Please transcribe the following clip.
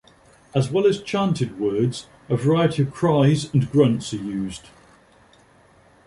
As well as chanted words, a variety of cries and grunts are used.